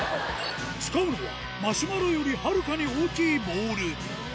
使うのはマシュマロよりはるかに大きいボール